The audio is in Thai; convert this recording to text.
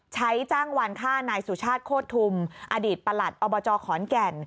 จ้างวานฆ่านายสุชาติโคตรทุมอดีตประหลัดอบจขอนแก่น